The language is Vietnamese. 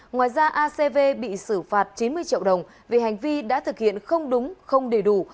ngoài ra acv bị xử phạt chín mươi triệu đồng vì hành vi đã thực hiện không đúng không đầy đủ